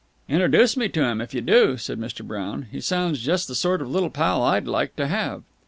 "Introduce me to him, if you do," said Mr. Brown. "He sounds just the sort of little pal I'd like to have!"